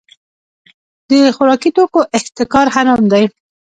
د خوراکي توکو احتکار حرام دی.